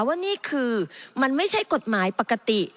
ว่านี่คือมันไม่ใช่กฎหมายปกติ